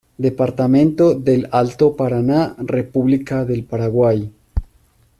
Departamento del Alto Paraná, República del Paraguay.